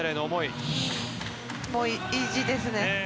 もう意地ですね。